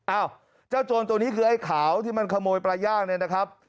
อ้าวเจ้าโจรตัวนี้คือไอ้ขาวที่มันขโมยปลาย่างเนี่ยนะครับ